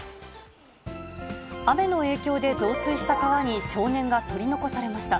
雨の影響で増水した川に少年が取り残されました。